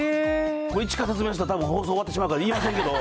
一から語ると放送終わってしまいますから、言いませんけど。